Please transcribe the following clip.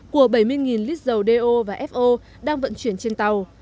của bảy mươi lít dầu do và fo đang vận chuyển trên tàu